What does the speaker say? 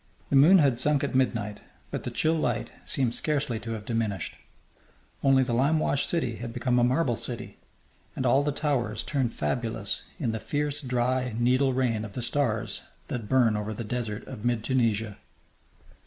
The moon had sunk at midnight, but the chill light seemed scarcely to have diminished; only the limewashed city had become a marble city, and all the towers turned fabulous in the fierce, dry, needle rain of the stars that burn over the desert of mid Tunisia.